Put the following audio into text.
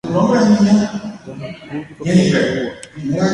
ndahakúipiko pe re'úva